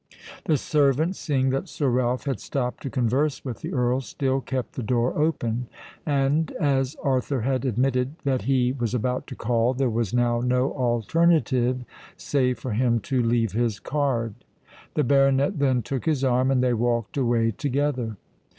The servant, seeing that Sir Ralph had stopped to converse with the Earl, still kept the door open; and, as Arthur had admitted that he was about to call, there was now no alternative save for him to leave his card. The baronet then took his arm; and they walked away together.